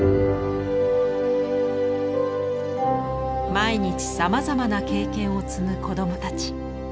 毎日さまざまな経験を積む子供たち。